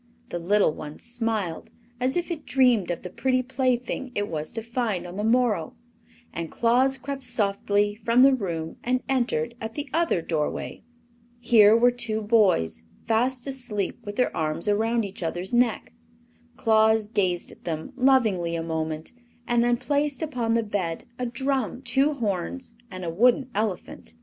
The little one smiled, as if it dreamed of the pretty plaything it was to find on the morrow, and Claus crept softly from the room and entered at the other doorway. Here were two boys, fast asleep with their arms around each other's neck. Claus gazed at them lovingly a moment and then placed upon the bed a drum, two horns and a wooden elephant.